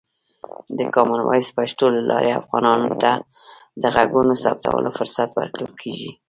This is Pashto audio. د کامن وایس پښتو له لارې، افغانانو ته د غږونو ثبتولو فرصت ورکول کېږي.